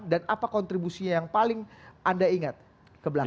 dan apa kontribusinya yang paling anda ingat ke belakang